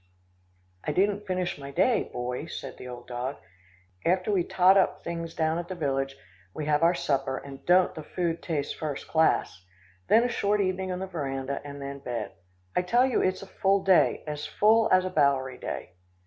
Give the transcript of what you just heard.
"I didn't finish my day, Boy," said the old dog, "after we tot up things down at the village, we have our supper, and don't the food taste first class, then a short evening on the veranda, and then bed. I tell you it's a full day, as full as a Bowery day."